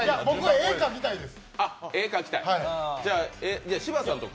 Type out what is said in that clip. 絵、描きたいです。